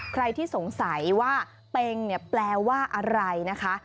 ใครที่สงสัยว่าเป็งเนี่ยแปลว่าอะไรนะคะ